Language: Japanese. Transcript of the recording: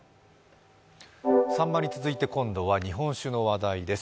さんまに続いて今度は日本酒の話題です